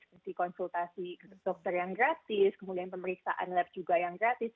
seperti konsultasi dokter yang gratis kemudian pemeriksaan lab juga yang gratis